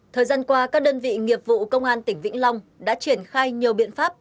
thời gian qua các đơn vị nghiệp vụ công an tỉnh vĩnh long đã triển khai nhiều biện pháp